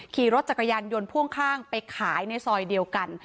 ขี่รถจักรยานยนต์พ่วงข้างไปขายในซอยเดียวกัน